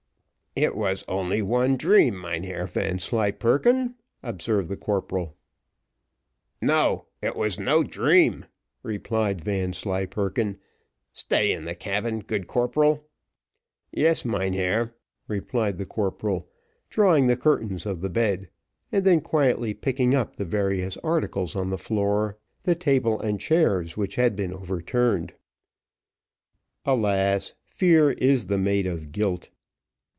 "It was only one dream, Mynheer Vanslyperken," observed the corporal. "No it was no dream," replied Vanslyperken. "Stay in the cabin, good corporal." "Yes, mynheer," replied the corporal, drawing the curtains of the bed; and then quietly picking up the various articles on the floor, the table and chairs which had been overturned. Alas! Fear is the mate of guilt.